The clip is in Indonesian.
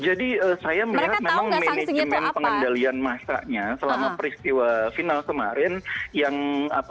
jadi saya merasa memang manajemen pengendalian masanya selama peristiwa final kemarin yang belum sempurna ya